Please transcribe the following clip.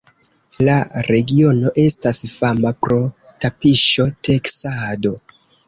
La regiono estas fama pro tapiŝo-teksado.